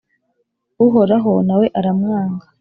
Uhoraho na we aramwanga.